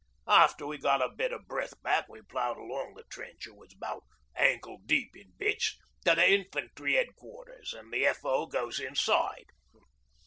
After we got a bit o' breath back we ploughed along the trench it was about ankle deep in bits to the Infantry Headquarters, an' the F.O. goes inside.